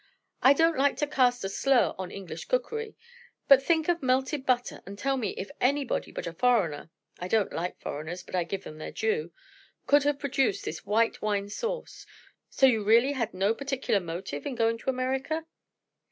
I don't like to cast a slur on English cookery. But think of melted butter, and tell me if anybody but a foreigner (I don't like foreigners, but I give them their due) could have produced this white wine sauce? So you really had no particular motive in going to America?"